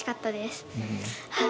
はい。